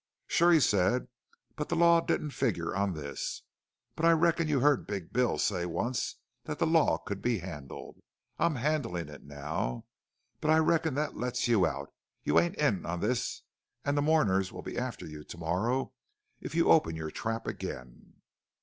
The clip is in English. "Sure," he said, "the law didn't figure on this. But I reckon you heard Big Bill say once that the law could be handled. I'm handling it now. But I reckon that lets you out you ain't in on this and the mourners'll be after you to morrow if you open your trap again!"